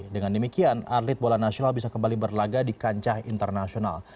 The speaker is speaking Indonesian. dengan demikian atlet bola nasional bisa kembali berlaga di kancah internasional